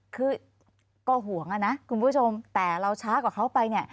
คือก็ห่วงนะคุณผู้ชมแต่เราช้ากว่าเขาไปเนี่ย